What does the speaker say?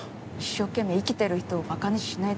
「一生懸命生きてる人をバカにしないで。